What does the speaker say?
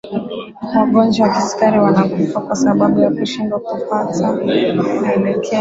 wagonjwa wa kisukari wanakufa kwa sababu ya kushindwa kufata maelekezo